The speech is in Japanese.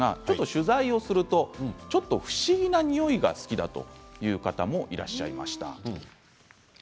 取材をするとちょっと不思議な匂いが好きだという方もいらっしゃいます。